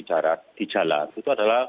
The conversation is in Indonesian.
jarak di jalan itu adalah